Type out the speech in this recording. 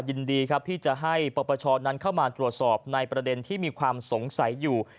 ยินดีครับที่จะให้ปปชนั้นเข้ามาตรวจสอบในประเด็นที่มีความสงสัยอยู่